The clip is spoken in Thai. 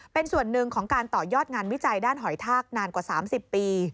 เป็นส่วนหนึ่งของการต่อยอดงานวิจัยด้านหอยทากนานกว่า๓๐ปี